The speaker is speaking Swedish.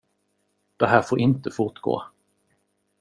Det här får inte fortgå.